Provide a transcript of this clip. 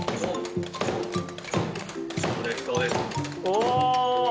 お。